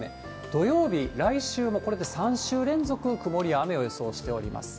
土曜日、来週もこれで３週連続曇りや雨を予想しております。